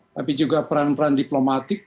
tapi juga peran peran diplomatik